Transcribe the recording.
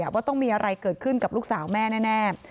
ว่าต้องมีอะไรเกิดขึ้นกับลูกสาวแม่แน่